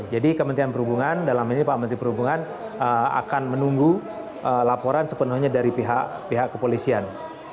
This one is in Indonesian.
jadi kementerian perhubungan dalam ini pak menteri perhubungan akan menunggu laporan sepenuhnya dari pihak kepolisian